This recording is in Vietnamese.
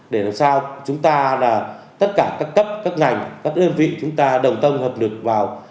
để làm sao chúng ta là tất cả các cấp các ngành các đơn vị chúng ta đồng tâm hợp lực vào